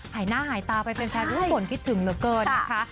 หายหน้าหายตาไปแฟนทุกคนคิดถึงเหลือเกินนะคะ